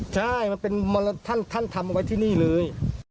ใช่มันเป็นมรท่านทำเอาไว้ที่นี่เลย